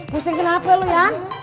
pusing kenapa lu yang